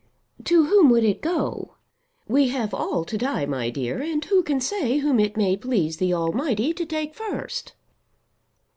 "To whom would it go? We have all to die, my dear, and who can say whom it may please the Almighty to take first?"